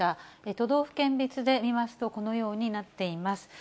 都道府県別で見ますと、このようになっています。